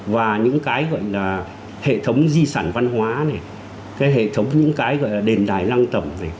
và những cái gọi là hệ thống di sản văn hóa này cái hệ thống những cái gọi là đền đài lăng tẩm này